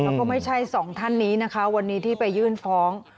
แล้วก็ไม่ใช่สองท่านนี้นะคะวันนี้ที่ไปยื่นฟ้อง